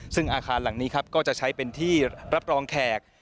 ซึ่งอาคารหลังนี้ครับก็จะใช้เป็นที่รับรองแขก